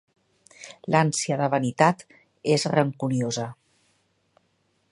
L'ànsia de vanitat és rancuniosa.